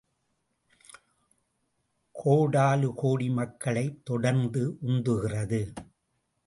கோடாலு கோடி மக்களைத் தொடர்ந்து உந்துகிறது.